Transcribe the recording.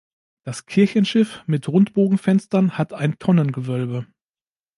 Das Kirchenschiff mit Rundbogenfenstern hat ein Tonnengewölbe.